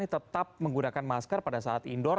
tetap menggunakan masker pada saat indoor